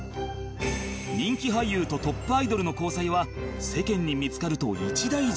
人気俳優とトップアイドルの交際は世間に見つかると一大事